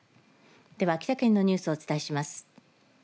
では、秋田県のニュースをお伝えします。